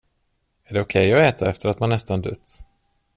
Är det okej att äta efter att man nästan dött?